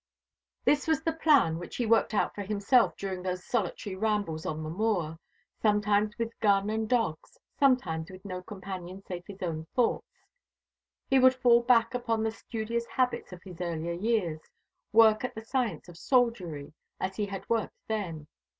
This was the plan which he worked out for himself during those solitary rambles on the moor, sometimes with gun and dogs, sometimes with no companion save his own thoughts. He would fall back upon the studious habits of his earlier years, work at the science of soldiery as he had worked then.